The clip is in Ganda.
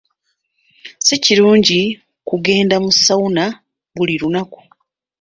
Si kirungi kugenda mu sawuna buli lunaku.